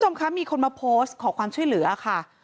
คุณผู้ชมคะมีคนมาโพสต์ขอความช่วยเหลือค่ะ